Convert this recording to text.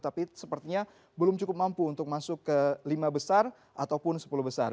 tapi sepertinya belum cukup mampu untuk masuk ke lima besar ataupun sepuluh besar